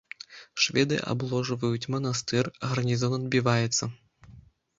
Шведы абложваюць манастыр, гарнізон адбіваецца.